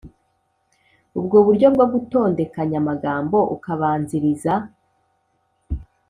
ubwo buryo bwo gutondekanya amagambo ukabanziriza